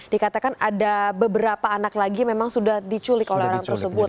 dikatakan ada beberapa anak lagi memang sudah diculik oleh orang tersebut